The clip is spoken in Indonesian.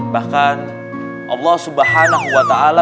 bahkan allah subhanahu wa ta'ala